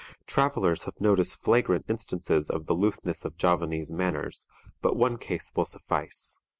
Travelers have noticed flagrant instances of the looseness of Japanese manners, but one case will suffice.